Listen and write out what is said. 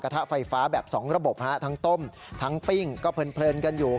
ทะไฟฟ้าแบบ๒ระบบทั้งต้มทั้งปิ้งก็เพลินกันอยู่